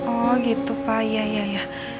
oh gitu pak iya ya ya